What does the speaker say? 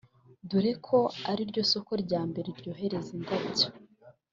dore ko ari ryo soko rya mbere yoherezaho indabyo